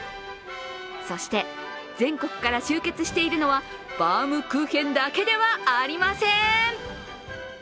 そして、全国から集結しているのはバウムクーヘンだけではありません！